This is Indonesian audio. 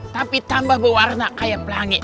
tapi tambah berwarna kayak pelangit